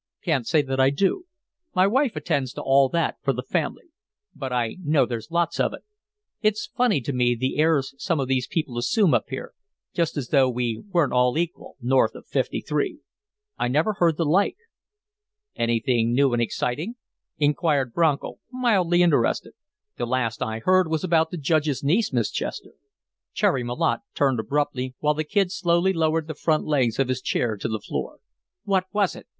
"Can't say that I do. My wife attends to all that for the family. But I know there's lots of it. It's funny to me, the airs some of these people assume up here, just as though we weren't all equal, north of Fifty three. I never heard the like." "Anything new and exciting?" inquired Bronco, mildly interested. "The last I heard was about the Judge's niece, Miss Chester." Cherry Malotte turned abruptly, while the Kid slowly lowered the front legs of his chair to the floor. "What was it?"